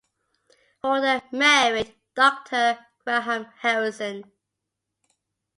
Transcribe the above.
Horder married Dr Graham Harrison.